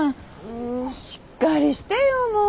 んしっかりしてよもう。